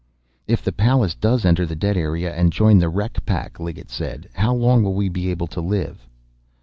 "If the Pallas does enter the dead area and join the wreck pack," Liggett said, "how long will we be able to live?"